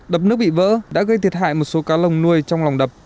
đập nước bị vỡ đã gây thiệt hại một số cá lồng nuôi trong lòng đập